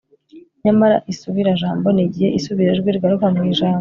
nyamara isubira jambo ni igihe isubirajwi rigaruka mu ijambo